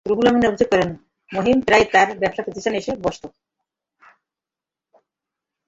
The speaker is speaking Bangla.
রুহুল আমিন অভিযোগ করেন, মাহিম প্রায়ই তাঁর ব্যবসাপ্রতিষ্ঠানে এসে বসত।